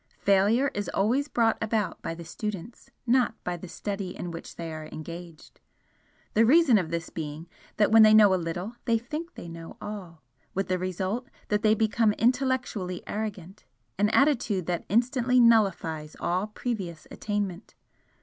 Failure is always brought about by the students, not by the study in which they are engaged, the reason of this being that when they know a little, they think they know all, with the result that they become intellectually arrogant, an attitude that instantly nullifies all previous attainment.